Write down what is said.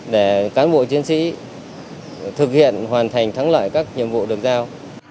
để cán bộ chiến sĩ thực hiện hoàn thành thắng lợi các nhiệm vụ được giao